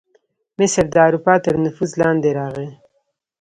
مصر د اروپا تر نفوذ لاندې راغی.